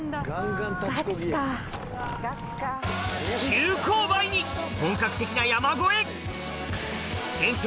急勾配に本格的な山越え！